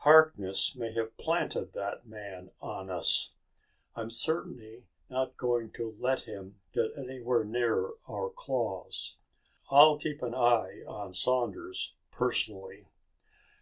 "Harkness may have planted that man on us. I'm certainly not going to let him get anywhere near our claws. I'll keep an eye on Saunders personally."